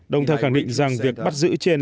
đồng thời khẳng định rằng việc bắt giữ trên